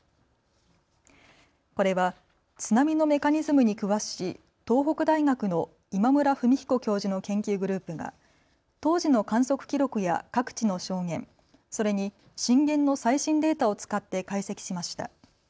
これは津波のメカニズムに詳しい東北大学の今村文彦教授の研究グループが当時の観測記録や各地の証言、それに震源の最新データを使って解析しました。